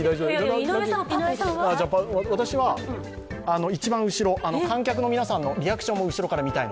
私は一番後ろ、観客の皆さんのリアクションを後ろから見たい。